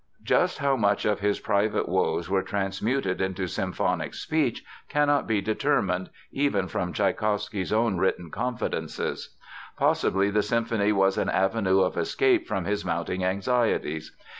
Just how much of his private woes were transmuted into symphonic speech cannot be determined, even from Tschaikowsky's own written confidences. Possibly, the symphony was an avenue of escape from his mounting anxieties.